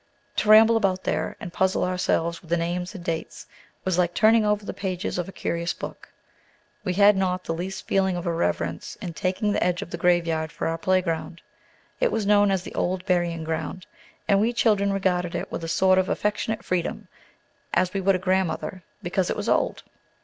To ramble about there and puzzle ourselves with the names and dates, was like turning over the pages of a curious old book. We had not the least feeling of irreverence in taking the edge of the grave yard for our playground. It was known as "the old burying ground"; and we children regarded it with a sort of affectionate freedom, as we would a grandmother, because it was old.